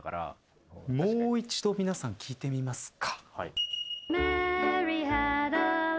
もう一度皆さん聞いてみますか。